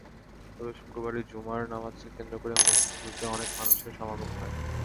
তবে শুক্রবারের জুমার নামাজকে কেন্দ্র করে মসজিদগুলোতে অনেক মানুষের সমাগম হয়।